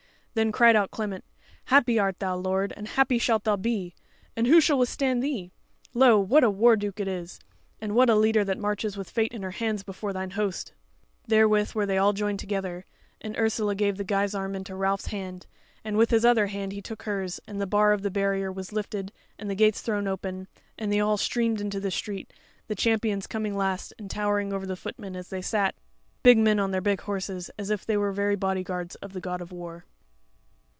Then cried out Clement: "Happy art thou, lord, and happy shalt thou be, and who shall withstand thee? Lo! what a war duke it is! and what a leader that marches with fate in her hands before thine host!" Therewith were they all joined together, and Ursula gave the guisarme into Ralph's hand, and with his other hand he took hers, and the bar of the barrier was lifted and the gates thrown open, and they all streamed into the street, the champions coming last and towering over the footmen as they sat, big men on their big horses, as if they were very bodyguards of the God of War.